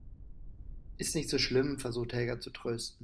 Ist nicht so schlimm, versucht Helga zu trösten.